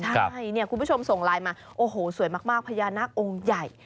ใช่เนี่ยคุณผู้ชมส่งไลน์มาโอ้โหสวยมากพญานาคองค์ใหญ่